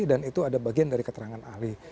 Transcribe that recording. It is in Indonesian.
dan itu ada bagian dari keterangan ahli